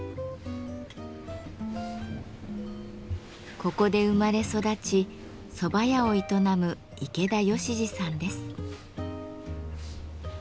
ここで生まれ育ちそば屋を営む池田善寿さんです。